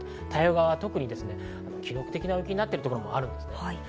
太平洋側は特に記録的な大雪になっているところもあるんです。